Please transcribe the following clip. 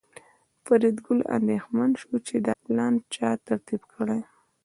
فریدګل اندېښمن شو چې دا پلان چا ترتیب کړی